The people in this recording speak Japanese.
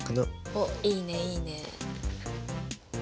おっいいねいいね。